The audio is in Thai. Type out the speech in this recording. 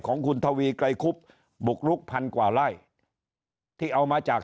ของคุณทวีไกรคุบบุรุก๑๐๐๐กว่าลายที่เอามาจาก